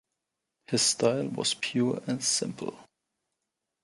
His style was pure and simple.